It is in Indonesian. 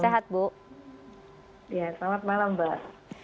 selamat malam mbak